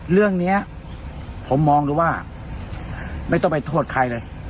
เรื่องนี้ผมมองดูว่าไม่ต้องไปโทษใครเลย